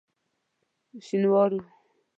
شینوارو.